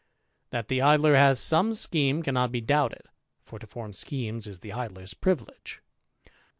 That the Idler has some scheme, cannot be doubted; for to form schemes is the Idler's privilege.